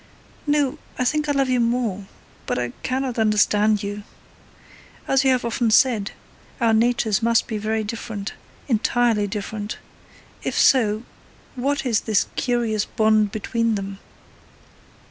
No, I think I love you more, but I cannot understand you. As you have often said, our natures must be very different, entirely different; if so, what is this curious bond between them?